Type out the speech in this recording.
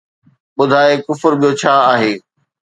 ٻڌاءِ ڪفر ٻيو ڇا آهي!